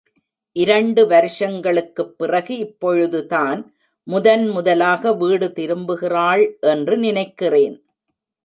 இரண்டு வருஷங்களுக்குப் பிறகு இப்பொழுது தான் முதன் முதலாக வீடு திரும்புகிறாள் என்று நினைக்கிறேன்.